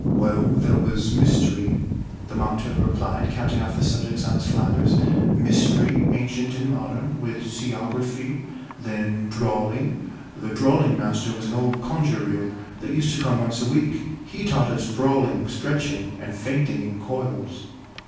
"Well, there was Mystery," the Mock Turtle replied, counting off the subjects on his flappers, "Mystery, ancient and modern, with Seaography; then Drawling the Drawling master was an old conger eel, that used to come once a week: he taught us Drawling, Stretching, and Fainting in Coils."